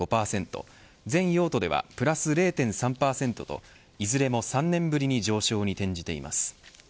全用途ではプラス０．３％といずれも３年ぶりに上昇に転じています。